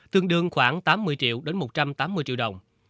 tương đương khoảng tám mươi triệu đến một trăm tám mươi triệu đồng